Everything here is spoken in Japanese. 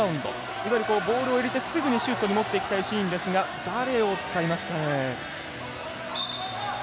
いわゆるボールを入れてすぐにシュートに持っていきたいシーンですが誰を使いますかね。